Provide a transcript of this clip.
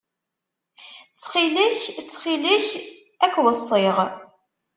Ttxil-k, ttxil-k ad k-weṣṣiɣ.